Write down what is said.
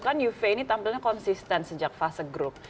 kan uv ini tampilnya konsisten sejak fase grup